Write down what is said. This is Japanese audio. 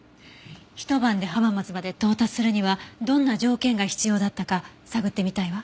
ひと晩で浜松まで到達するにはどんな条件が必要だったか探ってみたいわ。